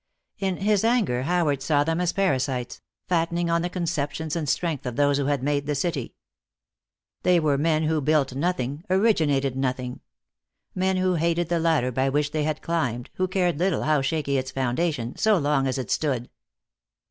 In his anger Howard saw them as parasites, fattening on the conceptions and strength of those who had made the city. They were men who built nothing, originated nothing. Men who hated the ladder by which they had climbed, who cared little how shaky its foundation, so long as it stood.